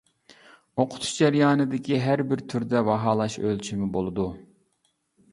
ئوقۇتۇش جەريانىدىكى ھەر بىر تۈردە باھالاش ئۆلچىمى بولىدۇ.